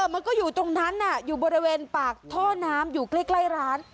มันก็อยู่ตรงนั้นอยู่บริเวณปากท่อน้ำอยู่ใกล้ร้าน